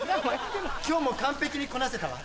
今日も完璧にこなせたわ。